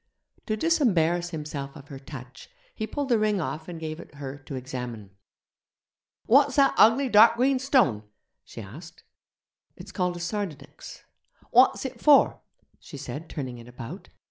To disembarrass himself of her touch, he pulled the ring off and gave it her to examine. 'What's that ugly dark green stone?' she asked. 'It's called a sardonyx.' 'What's it for?' she said, turning it about.